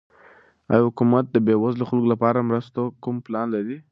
آیا حکومت د بېوزلو خلکو لپاره د مرستو کوم پلان لري؟